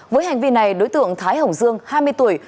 với hành vi này đối tượng thái hồng dương hai mươi tuổi